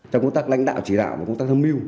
trong công tác lãnh đạo chỉ đạo và công tác tham mưu